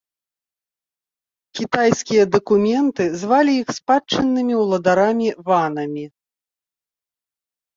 Кітайскія дакументы звалі іх спадчыннымі ўладарамі-ванамі.